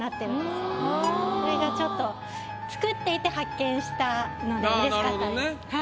それがちょっと作っていて発見したのでうれしかったです。